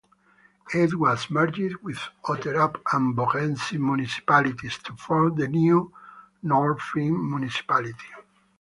It was merged with Otterup and Bogense municipalities to form the new Nordfyn municipality.